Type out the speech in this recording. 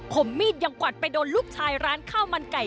มมีดยังกวัดไปโดนลูกชายร้านข้าวมันไก่